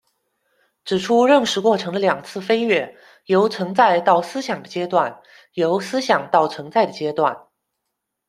指出认识过程的两次飞跃：由存在到思想的阶段，由思想到存在的阶段。